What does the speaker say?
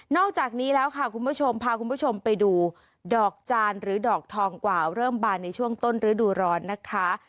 อกจากนี้แล้วค่ะคุณผู้ชมพาคุณผู้ชมไปดูดอกจานหรือดอกทองกว่าเริ่มบานในช่วงต้นฤดูร้อนนะคะ